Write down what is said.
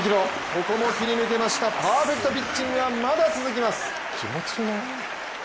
ここも切り抜けましたパーフェクトピッチングはまだ続きます。